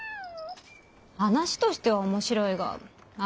話としては面白いがあ